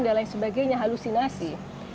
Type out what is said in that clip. dia bilang saya sudah berhasil mencari alih halusinasi